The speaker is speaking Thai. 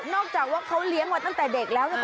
จากว่าเขาเลี้ยงมาตั้งแต่เด็กแล้ว